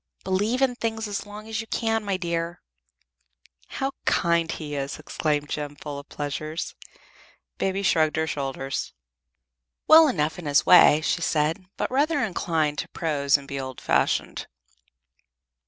"Believe in things as long as you can, my dear." "How kind he is!" exclaimed Jem full of pleasure. Baby shrugged her shoulders. "Well enough in his way," she said, "but rather inclined to prose and be old fashioned."